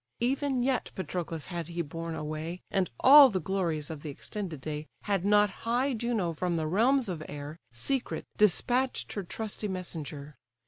Even yet Patroclus had he borne away, And all the glories of the extended day, Had not high Juno from the realms of air, Secret, despatch'd her trusty messenger.